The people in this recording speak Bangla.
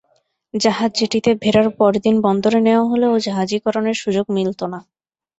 জাহাজ জেটিতে ভেড়ার পরদিন বন্দরে নেওয়া হলেও জাহাজীকরণের সুযোগ মিলত না।